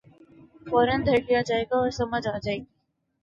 فورا دھر لیا جائے گا اور سمجھ آ جائے گی۔